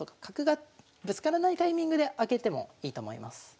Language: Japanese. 角がぶつからないタイミングで開けてもいいと思います。